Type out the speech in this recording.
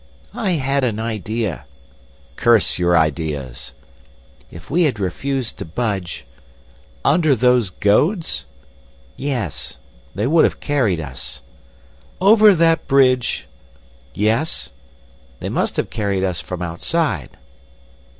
"I had an idea!" "Curse your ideas!" "If we had refused to budge—" "Under those goads?" "Yes. They would have carried us!" "Over that bridge?" "Yes. They must have carried us from outside."